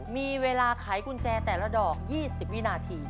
มีเวลาไขกุญแจแต่ละดอก๒๐วินาที